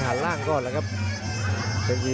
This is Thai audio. สวัสดิ์นุ่มสตึกชัยโลธสวัสดิ์